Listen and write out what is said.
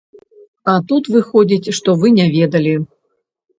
А тут выходзіць, што вы не ведалі.